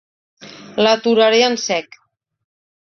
L'aturaré en sec.